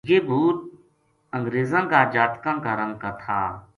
یہ بھُوت انگریزاں کا جاتکاں کا رنگ کا تھا